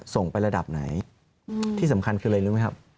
ส่งไประดับไหนที่สำคัญคืออะไรรู้ไหมครับ